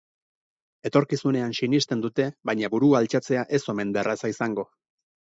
Etorkizunean sinisten dute baina burua altxatzea ez omen da erraza izango.